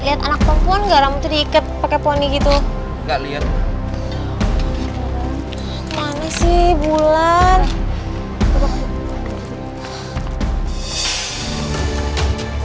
ya udah kita langsung balik